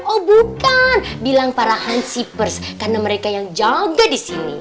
oh bukan bilang para hansipers karena mereka yang jaga disini